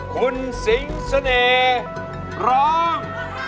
คุณสิงสนีดร้อง